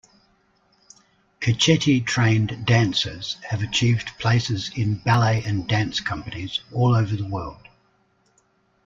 Cecchetti-trained dancers have achieved places in ballet and dance companies all over the world.